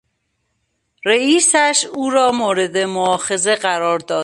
رئیسش او را مورد موآخذه قرار داد.